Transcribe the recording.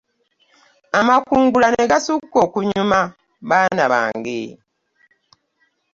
Amakungula n'egasukka okunyuma baana bange .